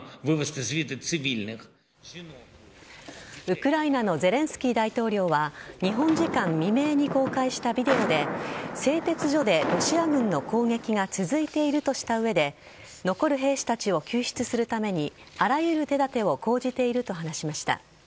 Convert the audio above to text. ウクライナのゼレンスキー大統領は日本時間未明に公開したビデオで製鉄所でロシア軍の攻撃が続いているとした上で残る兵士たちを救出するためにあらゆる手だてを講じていると話しました。